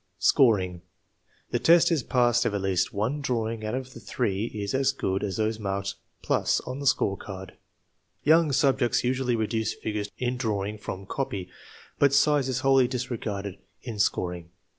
Scoring. The test is passed if at least one drawing out of the three is as good as those marked + on the score card. Young subjects usually reduce figures in drawing from copy, but size is wholly disregarded in scoring.